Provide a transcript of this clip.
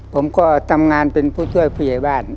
ผมก็ทำงานเป็นผู้ช่วยผู้ใหญ่บ้าน